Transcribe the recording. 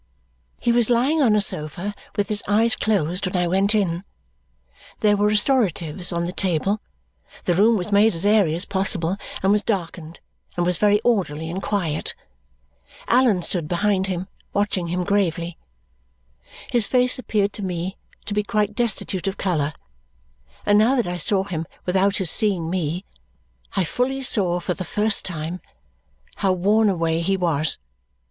He was lying on a sofa with his eyes closed when I went in. There were restoratives on the table; the room was made as airy as possible, and was darkened, and was very orderly and quiet. Allan stood behind him watching him gravely. His face appeared to me to be quite destitute of colour, and now that I saw him without his seeing me, I fully saw, for the first time, how worn away he was.